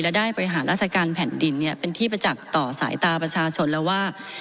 และได้บริหารราชการแผ่นดินเป็นที่ประจักษ์ต่อสายตาประชาชนแล้วว่า